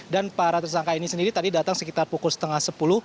dan para tersangka ini sendiri tadi datang sekitar pukul setengah sepuluh